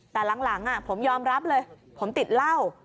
แต่หลังผมยอมรับเลยผมติดเหล้า